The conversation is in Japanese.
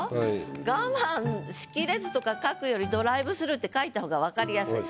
「我慢しきれず」とか書くより「ドライブスルー」って書いた方が分かりやすい。